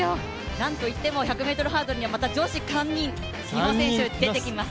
なんといっても１００ｍハードルには女子３人、日本選手、出てきます。